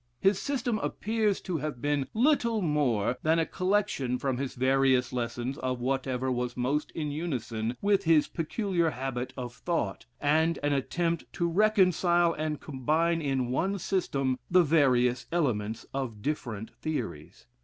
His system appears to have been little more than a collection from his various lessons of whatever was most in unison with his peculiar habit of thought, and an attempt to reconcile and combine in one system the various elements of different theories.